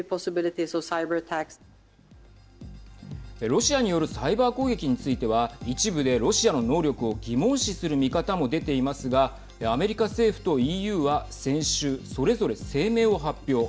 ロシアによるサイバー攻撃については一部でロシアの能力を疑問視する見方も出ていますがアメリカ政府とＥＵは先週、それぞれ声明を発表。